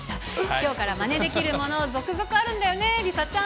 きょうからまねできるもの、続々あるんだよね、梨紗ちゃん。